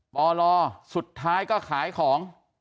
ปลสุดท้ายก็ขายของ